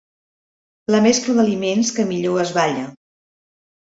La mescla d'aliments que millor es balla.